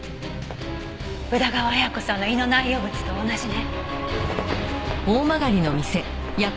宇田川綾子さんの胃の内容物と同じね。